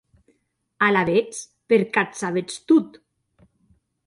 Alavetz, per qué ac sabetz tot?